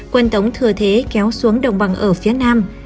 quân tống thừa thế kéo xuống đồng bằng ở phía nam